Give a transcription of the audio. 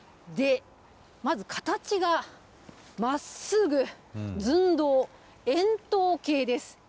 まず、形がまっすぐ、ずんどう、円筒形です。